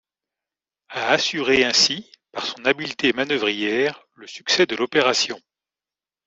A assuré ainsi, par son habileté manœuvrière, le succès de l'opération.